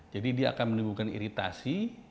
jadi dia akan menimbulkan iritasi